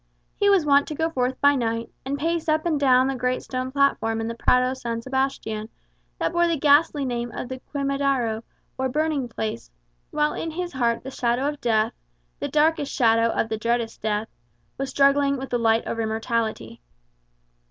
He was wont to go forth by night, and pace up and down the great stone platform in the Prado San Sebastian, that bore the ghastly name of the Quemadero, or Burning place, while in his heart the shadow of death the darkest shadow of the dreadest death was struggling with the light of immortality.